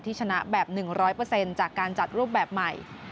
ชนะแบบ๑๐๐จากการจัดรูปแบบใหม่